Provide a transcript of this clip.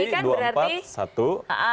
ini kan berarti